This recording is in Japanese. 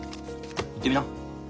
言ってみな。